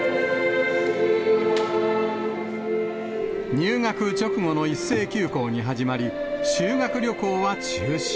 入学直後の一斉休校に始まり、修学旅行は中止。